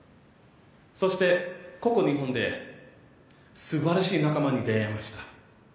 そしてここ日本で素晴らしい仲間に出会えました。